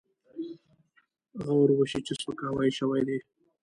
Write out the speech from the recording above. غور وشي چې سپکاوی شوی دی.